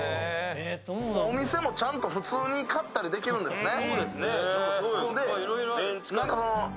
お店もちゃんと普通に買ったりできるんですね。